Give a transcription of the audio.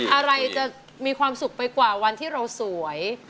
อะไรจะมีความสุขไปกว่าวันที่เราสวย